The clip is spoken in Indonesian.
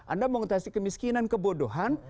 anda mengatasi kemiskinan kebodohan